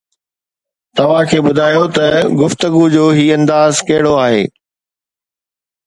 توهان کي ٻڌايو ته گفتگو جو هي انداز ڪهڙو آهي